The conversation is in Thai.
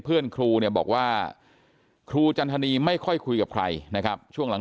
เพื่อนครูเนี่ยบอกว่าครูจันทนีไม่ค่อยคุยกับใครนะครับช่วงหลัง